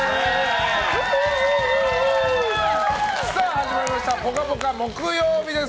始まりました「ぽかぽか」木曜日です。